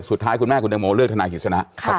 สุดท้ายคุณแม่คุณแตงโมเลือกทนายกิจกรรมชนะ